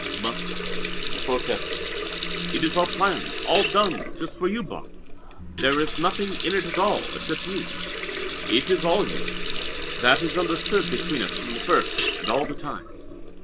"But," he protested, "it is all planned, all done, just for you, Barbe. There is nothing in it at all, except you. It is all you. That is understood between us from the first, and all the time."